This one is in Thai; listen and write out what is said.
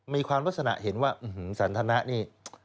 มีความลักษณะเห็นว่าสันทนะนี่